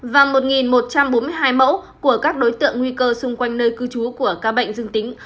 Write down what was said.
và một một trăm bốn mươi hai mẫu của các đối tượng nguy cơ xung quanh nơi cư trú của ca bệnh dương tính